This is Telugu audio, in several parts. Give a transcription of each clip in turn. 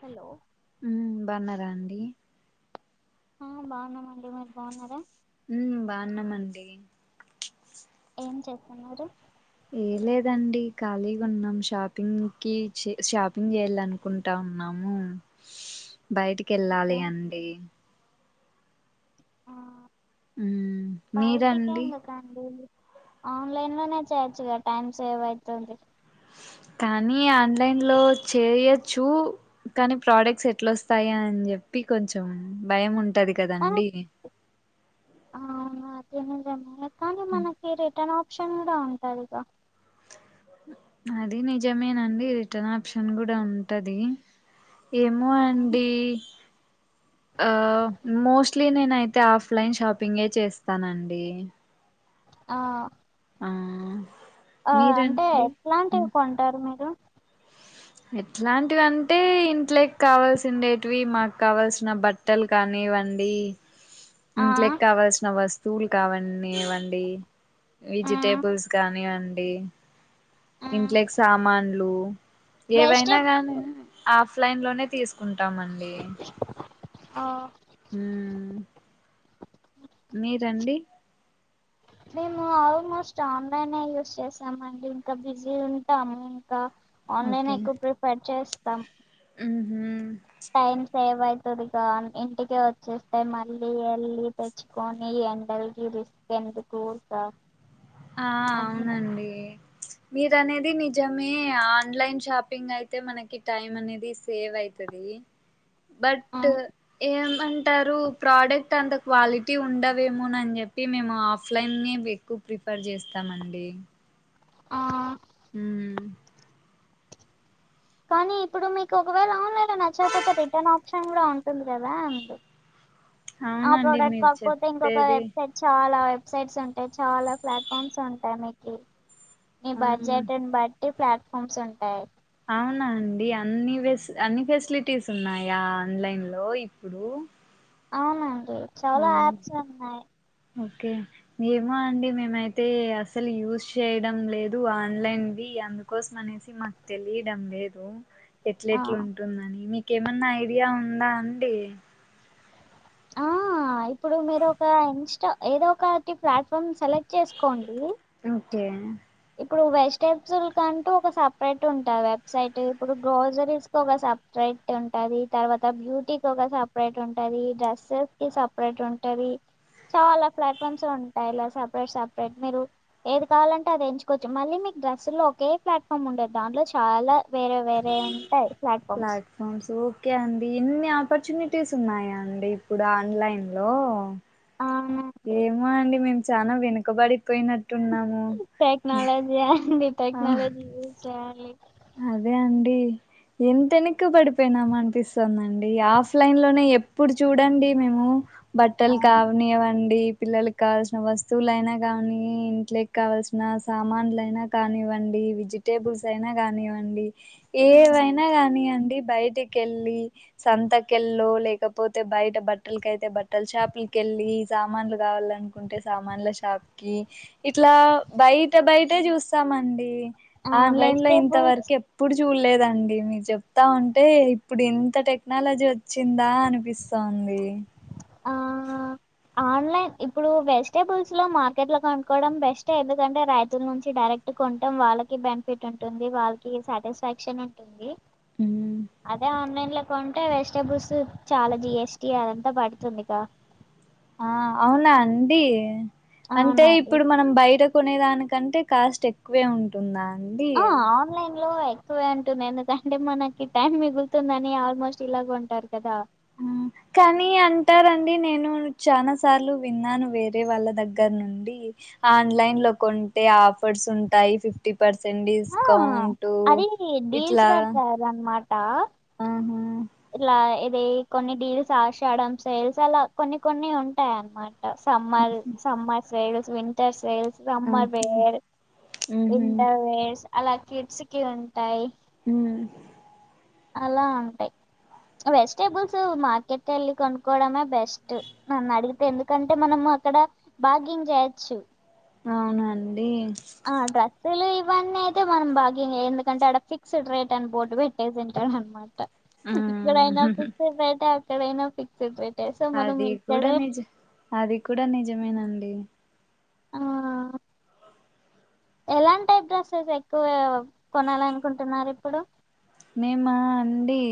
హలో ఉహ్ బన్నారండి ఆ బాన్నామండి మీరు బాగున్నారా ఉహ్ బాన్నామండి ఏం చేస్తున్నారు ఏ లేదండి ఖాళీగున్నాం షాపింగుకిచే షాపింగ్ చేయాలను అనుకుంటా ఉన్నాము బయటికి ఓకే వెళ్ళాలి అండి ఆ ఉమ్ బయటికి మీరండి ఎందుక్ కండి ఆన్లైన్ లోనే చేయొచ్చు గ టైమ్ సేవ్ అవుతుంది కానీ ఆన్లైన్లో చేయోచ్చు కానీ ప్రోడక్ట్స్ ఎట్లొస్తాయో అని చెప్పి కొంచెం భయం ఉంటది కదండి ఆ అవును అది నిజమే కానీ మనకి ఈ రిటర్న్ ఆప్షన్ కూడా ఉంటాది గా అది నిజమేనండి రిటర్న్ ఆప్షన్ కూడా ఉంటది ఏమో ఉమ్. అండి ఆ మోస్ట్లీ నేనైతే ఆఫ్లైన్ షాపింగే చేస్తానండి ఆ ఆ ఆ అంటే మీరండి ఎట్లాంటివి కొంటారు మీరు ఎట్లాంటివి అంటే ఇంట్లోకి కావాల్సినేటివి మాకు కావల్సిన బట్ట బట్టలు కానివ్వండి ఆ ఇంట్లోక్ కావల్సిన వస్తు తూల్ కావీవ్వండి ఆ వెజిటేబుల్స్ కానివ్వండి ఆ ఇంట్లోకి సామాన్లు వేస్ట్ ఏవైనా గాని ఆఫ్లైన్ లోనే తీసుకుంటామండి. ఆ ఊ మీరండి మేము ఆల్మోస్ట్ ఆన్లైనే యూస్ చేసామ అండి ఇంకా బిజీ ఉంటాము ఇంకా ఆన్లైన్ ఎక్కువ ప్రిఫర్ చేస్తాం ఉహు టైమ్ సేవ్ అయ్ డిగా ఇంటిక వచ్చేస్తే మళ్ళీ ఎల్లి తెచ్చుకొని ఎండల్కి రిస్క్ డెండు కుడుస్త ఆ అవునండి మీరు అనేది నిజమే ఆన్లైన్ షాపింగ్ అయితే మనకి టైమ్ అనేది సేవ్ అయితది ఆ బట్టు ఏమంటరూ ప్రాడక్ట్ అంత క్వాలిటీ ఉండవేమో నని చెప్పి మేము ఆఫ్లైన్ నే ఎక్కువ ప్రిఫర్ చేస్తానండీ ఆ ఊ కానీ ఇప్పుడు మీకు ఒకవేళ ఆన్లైన్ లో నచ్చకపోతే రిటర్న్ ఆప్షన్ కూడా ఉంటుంది కదా అందు ఆ అవునండి ప్రొడక్ట్ మీరు కాకపోతే ఇంకొక చెప్పేది వెబ్సైట్ చాలా వెబ్సైట్స్ ఉంటాయ్ చాలా ప్లాట్ఫామ్స్ ఉంటాయ్ మీకి నీ ఆ బడ్జెట్ ని బట్టి ప్లాట్ఫామ్స్ ఉంటాయ్ అవునా అండి అన్ని వెస్ అన్ని ఫెసిలిటీస్ ఉన్నాయా ఆన్లైన్ లో ఇప్పుడూ అవునండి చాలా యాప్సే ఉన్నాయ్ ఒకే ఏమో అండి మేమైతే అసలు యూజ్ చేయడం లేదు ఆన్లైన్వి అందుకు కోసమనేసి మాక్ తెలీడం లేదు ఆ ఎట్లెట్లు ఉంటుందని మీకేమన్నా ఐడియా ఉందా అండి ఆ ఆ ఇప్పుడూ మీరు ఒకా ఇన్స్టా ఏదో ఒకటి ప్లాట్ఫామ్ సెలెక్ట్ చేసుకోండీ ఒకే ఇప్పుడూ వెజ్ టేప్సుల్ కంటూ ఒక సప్రేట్ ఉంటా వెబ్సైటు ఇప్పుడు గ్రోజరీస్ ఒక సప్రేట్ ఉంటది తర్వాత బ్యూటీకి ఒక సప్రేట్ ఉంటదీ డ్రెస్సెస్ కి సప్రేట్ ఉంటదీ చాలా ప్లాట్ఫామ్సే ఉంటాయి ఇలా సపరేట్ సపరేట్ మీరు ఏది కావాలంటే అది ఎంచు కోచ్చు మళ్ళీ మీకు డ్రస్సు లో ఒకే ప్లాట్ఫామ్ ఉండదు దాంట్లో చాలా వేరే వేరే ఉంటాయ్ ప్లాట్ఫామ్స్ ఫన్స్ ఓకే అండి ఇన్ని ఆపర్చునిటీస్ ఉన్నాయా అండి ఇప్పుడు ఆన్లైన్ లో అవునండి ఏమో అండి మేము చానా వెనుకబడిపోయినట్ టెక్నాలజీ అండి ఆహ్ టెక్నాలజీ యూజ్ చేయాలి అదే అండీ ఎంత ఎనక్కి పడిపోయినాం అనిపిస్సుందండి ఆఫ్లైన్ లోనే ఎప్పుడు చూడండీ మేమూ ఆ బట్టలు కావనీవండీ పిల్లలక్ కావల్సిన వస్తువులైనా కానీ ఇంట్లేకి కావల్సినా సామాన్లైనా కానివ్వండీ విజిట్ టేబుల్స్ అయినా కానివ్వండి ఏవైనా కానియ్యండి బయటికెళ్లీ సంతకెల్లో లేకపోతే బయట బట్టలకయితే బట్టల షాపులకెళ్ళీ సామాన్లు కావాలనుకు కుంటే సామాన్ల షాప్ కి ఇట్లా బయట బయటే చూస్తామండి ఆ ఆన్లైన్ లో ఇంత్ వెజిటేబుల్స్ ఎప్పుడు చూల్లేదండి మీరు చెప్తా ఉంటే ఇప్పుడు ఇంత టెక్నాలజీ వచ్ చిందా అనిపిస్సాంది. ఆ ఆన్లైన్ ఇప్పుడూ వెజిటేబుల్స్ లో మార్కెట్ లో కొనుక్కోవడం బెస్టే ఎందుకంటే రైతుల నుంచి డైరెక్ట్ క్టు కొంటాం వాళ్ళకి బెనిఫిట్ ఉంటుంది వాళ్ళకి సాటిస్ఫాక్షన్ ఉంటుంది హ్మ్. అదే ఆన్లైన్ లో కొంటే వెజిటబుల్సు చాలా జిఎస్టి అదంతా పడు తుందిగా ఆ అవునా అండీ అంటే అవునండి ఇప్పుడు మనం బయట కొనే దానికంటే కాస్ట్ ఎక్కువే ఉంటుందా అండీ ఆ ఆన్లైన్ లో తు అంటున్నా ఎందుకంటే మనకి టైం మిగులుతుందని ఆల్మోస్ట్ ఇలాగుంటారు కదా హ్మ్. కానీ అంటారండి నేను చానా సార్లు విన్నాను వేరే వాళ్ళ దగ్గర నుండి ఆన్లైన్ లో కొంటే ఆఫర్స్ ఉంటాయి ఫిఫ్ టీ ఫర్సంట్ ఆ డిస్కౌంట్ అది డీల్స్ ఇట్లా పెడతారు అనమాట ఆహా ఇలా ఇది కొన్ని డీల్స్ ఆషాడం సేల్స్ అలా కొన్ని కొన్ని ఉంటాయి అన్నమా ట summer summer sales winter sales రమ్మర్ ఆహా వేర్ ఉహు ఇంటర్వేర్స్ అలా కిడ్స్ కి ఉంటాయి ఊ అలా ఉంటాయి ఈ వెజిటబుల్స్ మార్కెట్ కెళ్ళి కొనుక్కోవడమే బెస్ట్ నన్ను అడిగితే ఎందుకంటే మనము అక్కడ భ్యాగింగ్ చేయచ్చు అవునండి ఆ డ్రస్సులు ఇవన్నీ అయితే మనం బాగెయిన్ చే ఎందుకంటే అడ ఫిక్స్డ్ రేట్ అని బోర్టు పెట్టేసిన్ ట హనమాట ఉమ్ ఇక్కడైనా ఫిక్సడ్ రేట్ అక్కడైనా ఫిక్సడ్ రే టే సో మనం అది కూడా ఇక్కడే నిజ అది కూడా నిజమేనండి ఆ ఎలాంటి టైప్ డ్రెస్సెస్ ఎక్కువ కొనాలనుకుంటున్నారు ఇప్పుడు నేను మా అండి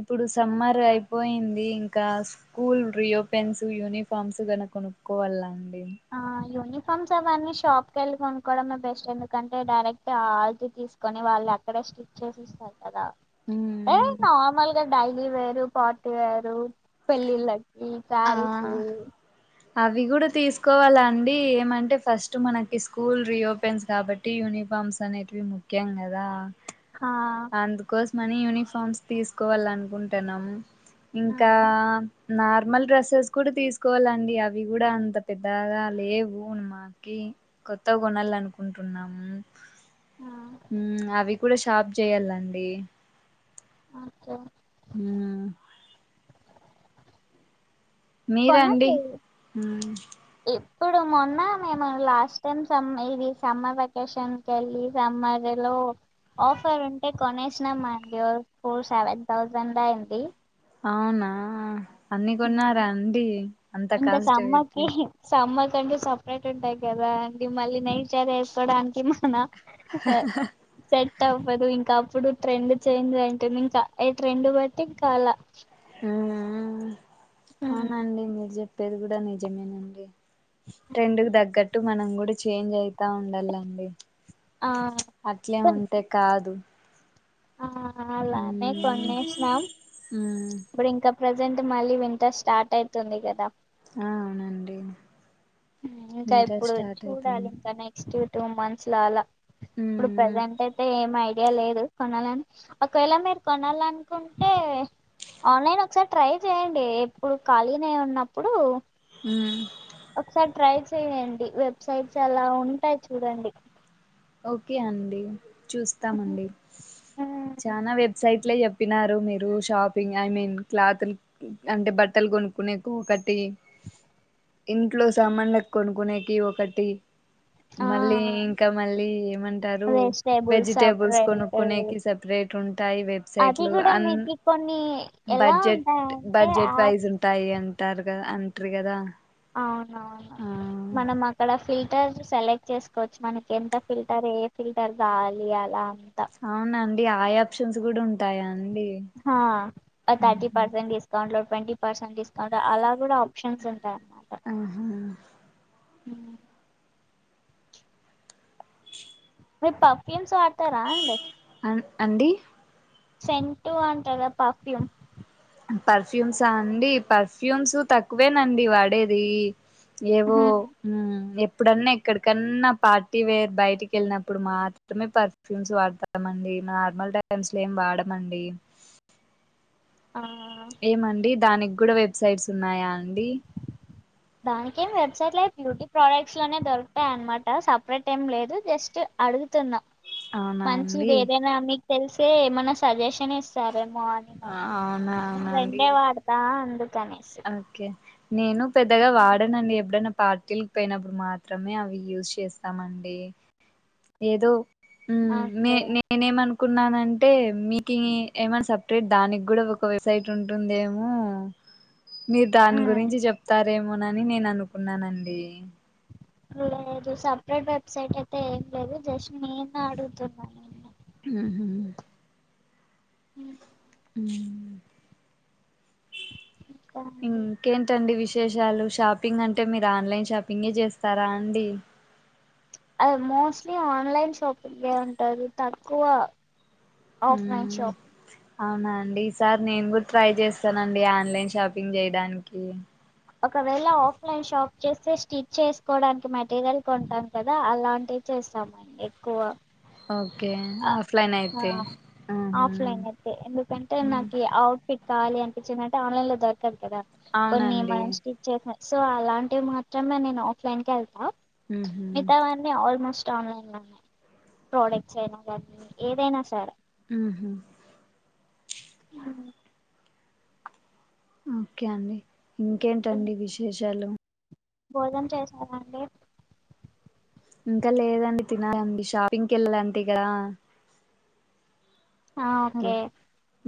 ఇప్పుడు సమ్మర్ అయిపోయింది ఇంకా స్కూల్ రీ యోపెన్స్ యూనిఫార్మ్స్ గన కొనుక్కోవాలండి ఆ యూనిఫార్మ్స్ అవన్నీ షాప్ కెళ్ళి కొనుక్కోవడమే బెస్ట్ ఎందుకంటే డైరెక్ట్ ఆళ్తి తీసు్ కొని వాళ్ళు ఎక్కడే స్టిచ్ చేసిస్తారు కదా ఏ నార్మల్ గా డై లీ వేరు పార్టీ వేరు పెళ్ళిళ్ళకి శారీసు అవి గుడా తీసుకోవాలండి ఏమంటే ఫస్ట్ మనకి స్కూల్ రీఓపెన్స్ కాబట్ టి యూనిఫార్మ్స్ అనేటివి ముఖ్యం గదా హా అందుకోసం అని యూనిఫార్మ్స్ తీసుకోవాలనుకుంటున్నాం ఆ ఇంకా అ నార్మల్ డ్రెస్సెస్ కూడా తీసుకోవాలండి అవి గుడా అంత పెద్దగా లేవు ఉన్మా కి కొత్తవి కొనాలనుకుంటున్నాం ఆ ఉమ్ అవి కూడా షాప్ చెయ్యాలండి ఓకే ఉమ్ మీరండి కొనండి మ్, ఇప్పుడు మొన్న మేము లాస్ట్ టైం సమ్ ఇది సమ్మర్ వెకేషన్ చలి సమ్మర్ రే లో ఆఫర్ ఉంటే కొనేసినామండి ఓ ఫోర్ సెవెన్ థౌజండ్ అయ్యింది అవునా అన్ని కొన్నారా అండి అంత ఇంకా కాస్ట్ సమ్మర్ కి వెట్టి సమ్మర్ కంటే సపరేట్ ఉంటాయి గదా అండి మళ్ళీ నైచర్ వేసుకోవడానికి మన ఆ సెట్ అవ్వదు ఇంకా అప్పుడు ట్రెండ్ చేంజ్ అయ్యింటుంది ఇంకా ఏ ట్రెండ్ బట్టి ఇంకా అలా ఆవునా అవునండి మీరు చెప్పేది కూడా నిజమేనండి ట్రెండ్ కు తగ్గట్టు మనం కూడా చేంజ్ అయితా ఉండాలండి ఆ అట్లే ఉంటే కాదు ఆ అలానే మ్మ్ కొనేసినా మ్మ్ ఇప్పుడు ఇంకా ప్రజెంట్ మళ్ళీ వింటర్ స్టార్ట్ అయితుంది కదా ఆ అవునండి ఇంకా ఇంటర్ ఇప్పుడు స్టార్ట్ చూడాలి అయితుంది ఇంక నే క్స్ట్ టూ మంత్స్ల అలా ఇప్పుడు మ్మ్ ప్రజెంట్ అయితే ఏం ఐడియా లేదు కొనలన్ ఒకవేళ మీరు కొనాలనుకుంటే ఆన్లైన్ ఒకసారి ట్రై చేయ్యండి ఇప్పుడు ఖాళీగనే ఉన్నప్పుడు ఉమ్ ఒకసారి ట్రై చెయ్యండి వెబ్సైట్స్ అలా ఉంటాయి చూడండి ఓకే అండి చూస్తామండి చానా వెబ్సైట్లే చెప్ ప్పినారు మీరు షాపింగ్ అని మీన్ క్లాత్లు అంటే బట్టలు కొనుక్కునేకు ఒకటి ఇంట్లో సామాన్లకు కొనుకునేకి ఒకటి ఆ మళ్ళీ ఇంకా మళ్ళీ ఏమంటారు వెజిటేబుల్స్ వెజిటేబుల్స్ సపరేట్ కొనుక్కునేకి సపరేట్ ఉంటాయి అది వెబ్సైట్లు కూడా అన్ మీకు కొన్ని ఎలా బడ్జెట్ ఉంటాయి అంటే బడ్జెట్ వైజ్ యాప్స్ ఉంటాయి అంటారు కదా అంట్రీ కదా అవునవును ఆ మన మా అక్కడ ఫిల్టర్స్ సెలెక్ట్ చేసుకోవచ్చు మనకి ఎంత ఫిల్టర్ ఏ ఫిల్టర్ గావాలి అలా అంత అవునా అండి ఆ యాప్షన్స్ కూడా ఉంటాయా అండి హా అ థర్టీ పర్సెంట్ ఇస్ అకౌంట్ లో ట్వంటీ పర్సెంట్ డిస్కౌంట్ అలా కూడా ఆప్షన్స్ ఉంటాయి ఆహా మ్ మీర్ పర్ఫ్యూమ్స్ వాడతరా అండి అన్ అండి సెంటు అంటరుగ పర్ఫ్యూమ్ పర్ఫ్యూమ్సా అండి పర్ఫ్యూమ్స్ తక్కువేనండి వాడేది ఏవో మ్ ఎప్ ఎప్పుడన్న ఎక్కడికన్న పార్టీ వేర్ బయటికి వెళ్ళనప్పుడు మాత్రమే పర్ఫ్యూమ్స్ వాడతా మండి నార్మల్ టైమ్స్ లో ఏం వాడమండి ఆ ఏమండి దానికి కూడా వెబ్సైట్స్ ఉన్నాయా అండి దానికేమి వెబ్సైట్లు బ్యూటీ ప్రోడక్ట్స్ లోనే దొరుకుతాయి అన్నమాట సపరేట్ ఏం లేదు జస్ట్ అడుగుతున్నాం అవునా మంచిది అండి ఏదైనా మీకు తెలిసే ఏమన్న సజెషన్ ఇస్త సరే మార్నింగ్ ఆ, అది అవునా నేను అవునండి రెండే వాడతా అందుకనేసి ఓకే నేను పెద్దగా వాడనండి ఎప్పుడైనా పార్టీలు పోయినప్పుడు మాత్రమే అవి యూజ్ చేస్తామండి ఏదో ఉమ్ మే ఓకే నే నేనేమనుకున్నానంటే మీకు ఏమన్నా సపరేట్ దానికి కూడా ఒక వెబ్సైట్ ఉంటుందేమో మీరు ఆ దాని గురించి చెప్తారేమోనని నేను అనుకున్నానండి లేదు సపరేట్ వెబ్సైట్ అయితే ఏం లేదు జస్ట్ నేను అడుగుతున్నాను ఉహు ఉమ్ ఇంకా అండి ఇంకేంటండి విశేషాలు షాపింగ్ అంటే మీరు ఆన్లైన్ షాపింగే చేస్తారా అండి అద్ మోస్ట్లీ ఆన్లైన్ షాపింగే ఉంటాది తక్కువ ఆఫ్లైన్ ఉమ్ షాప్ అవునా అండి ఈసారి నేను కూడా ట్రై చేస్తాన అండి ఆన్లైన్ షాపింగ్ చేయడానికి ఒకవేళ ఆఫ్లైన్ షాప్ చేస్తే స్టిచ్ చేసుకోవడానికి మెటీరియల్ కొంటాం కదా అలాంటి చేస్తామని ఎక్కువ ఓకే ఆ ఆఫ్లైన్ ఆ అయితే ఆహా ఆఫ్లైన్ అయితే ఎందుకంటే నాకు అవుట్ఫిట్ కావలి అనిపించిందంటే ఆన్లైన్ లో దొరకదు కదా కొన్ని అవునండి మంచి చేస సో అలాంటివి మాత్రమే నేను ఆఫ్లైన్ కి ఎళ్తాను ఉహు మితావని ఆల్మోస్ట్ ఆన్లైన్ లో ఉన్నాయి ప్రోడక్ట్స్ అయినా కానీ ఏదైనా సరే ఉహు ఉ ఓకే అండి ఇంకేంటండి విశేషాలు భోజనం చేసారాండి ఇంకా లేదండి తినాలండి షాపింగ్కి వెళ్ళాలంటే ఇ కదా ఆ హల్ ఓకే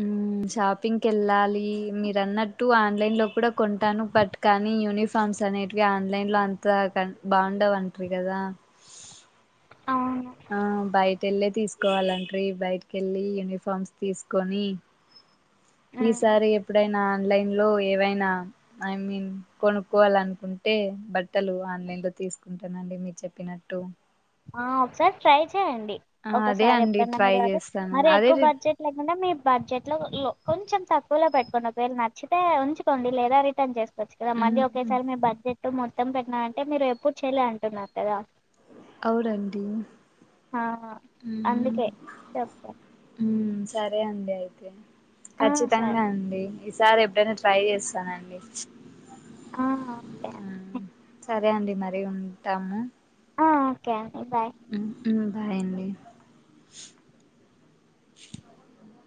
హ్మ్ షాపింగ్కి వెళ్ళాలి మీరు అన్నట్టు ఆన్లైన్ లో కూడా కొంటాను బట్ కానీ యూనిఫార్మ్స్ అనేటివి ఆన్లైన్ లో అంతా [unintelligible] బాగుండవి అంటారు కదా అవును ఆ బయట ఎళ్ళే తీసుకోవాలాంట్రీ బయటికి ఎళ్ళి యూనిఫార్మ్స్ తీసుకొని ఉమ్ ఈసారి ఎప్పుడైనా ఆన్లైన్ లో ఏవైనా ఐ మీన్ కొనుక్కోవాలనుకుంటే బట్టలు ఆన్లైన్ లో తీసుకుంటానండి మీరు చెప్పినట్ టు ఆ ఒకసారి ట్రై చేయండి ఆ అదే ఒకసారి అండి ఎప్పుడన్నా ట్రై మీరు అతే చేస్తాను మరి అదే ఎక్కువ రి బడ్జెట్ లేకుండా మీ బడ్జెట్ లో కొంచెం తక్కువలో పెట్టుకోండి ఒకవేళ నచ్చితే ఉంచుకోండి లేదా రిటర్న్ చేసుకోడి చ్చు కదా మళ్ మ్మ్ ఒకేసారి మీరు బడ్జెట్ మొత్తం పెట్టినా అంటే మీరు ఎప్పుడు చేయాలే అంటున్నారు కదా అవునండి ఆహా అందుకే చెప్తాను హ్మ్ సరే అండి అయితే ఆ సరే ఖచ్చితంగా అండి ఈసారి ఎప్పుడైనా ట్రై చేస్తానండి ఆ ఓకే మ్మ్ సరే అండి మరి ఉంటాము ఆ ఓకే అండి బాయ్ హ హుమ్మ్ బాయ్ అండి